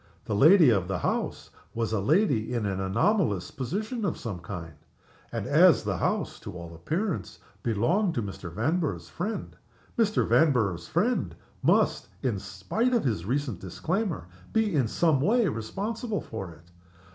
The lady of the house was a lady in an anomalous position of some kind. And as the house, to all appearance, belonged to Mr. Vanborough's friend, Mr. Vanborough's friend must (in spite of his recent disclaimer) be in some way responsible for it.